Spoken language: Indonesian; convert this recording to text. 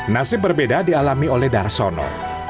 nasib berbeda dialami oleh darsono